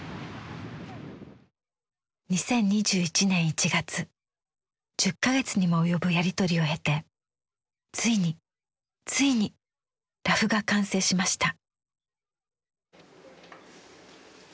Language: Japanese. ２０２１年１月１０か月にも及ぶやり取りを経てついについにラフが完成しました。